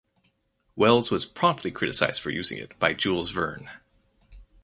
Wells was promptly criticized for using it by Jules Verne.